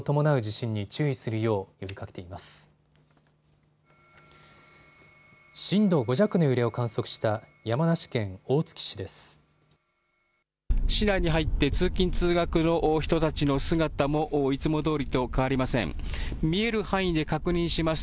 震度５弱の揺れを観測した山梨県大月市です。